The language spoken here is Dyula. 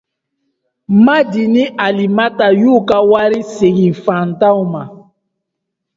Madi ni Alimata y'u ka wari segin faantanw ma.